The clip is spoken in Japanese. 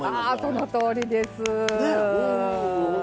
そのとおりです。